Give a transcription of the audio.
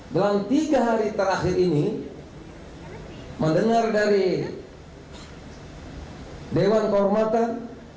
dalam tiga hari terakhir ini mendengar dari dewan kehormatan